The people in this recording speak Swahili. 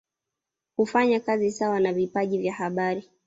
Hufanya kazi sawa na vipaji vya habari